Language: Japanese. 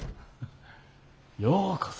ようこそ。